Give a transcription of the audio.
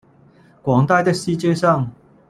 广大的世界上